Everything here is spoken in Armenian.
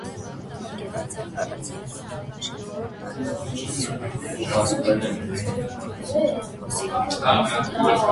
Պատկերված է «առանձին գունդ՝ նախշավոր, տարբեր ուղղություններ ունեցող կիսաշրջանաձև փոսիկներով»։